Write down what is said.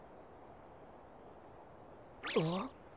あっ。